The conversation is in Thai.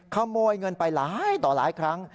ขโมยเงินไปหลายต่อหลายครั้ง